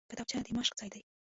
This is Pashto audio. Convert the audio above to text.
کتابچه د مشق ځای دی